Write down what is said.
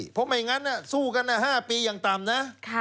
เพราะไม่งั้นสู้กัน๕ปีอย่างต่ำนะ